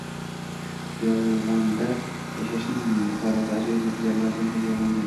“Yolg‘onda yashash”ning muqovasi ajoyib materialdan tayyorlangan